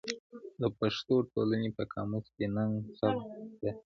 د پښتو ټولنې په قاموس کې نګه ثبت ده.